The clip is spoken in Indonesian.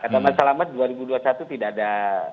tapi kalau dua ribu dua puluh satu tidak ada